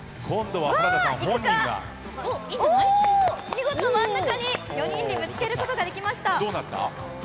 見事、４人にぶつけることができました！